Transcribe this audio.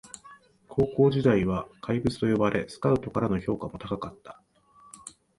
高校時代は怪物と呼ばれスカウトからの評価も高かった